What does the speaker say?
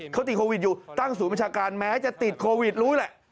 เขาติดโควิดอยู่ตั้งศูนย์บัญชาการแม้จะติดโควิดรู้แหละ